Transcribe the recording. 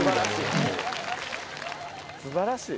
素晴らしい！